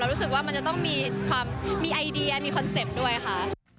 รู้สึกว่ามันจะต้องมีความมีไอเดียมีคอนเซ็ปต์ด้วยค่ะ